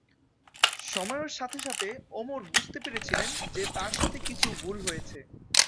সময়ের সাথে সাথে অমর বুঝতে পেরেছিলেন যে তার সাথে কিছু ভুল হয়েছে।